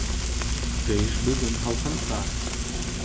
Тыш бөгөн һалҡынса.